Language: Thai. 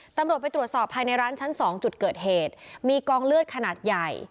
ตำรวจไปตรวจสอบภายในร้านชั้น๒จุดเกิดเหตุมีกองเลือดขนาดใหญ่